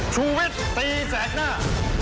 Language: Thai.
ชูวิทย์ตีแสกหน้า